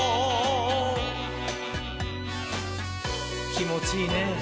きもちいいねぇ。